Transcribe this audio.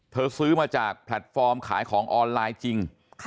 ซื้อมาจากแพลตฟอร์มขายของออนไลน์จริง